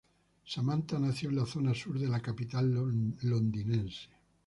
Samantha nació en la zona sur de la capital londinense.